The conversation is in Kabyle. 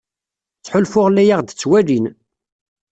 Ttḥulfuɣ la aɣ-d-ttwalin.